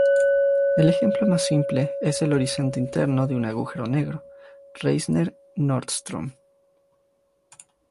El ejemplo más simple es el horizonte interno de un agujero negro Reissner-Nordström;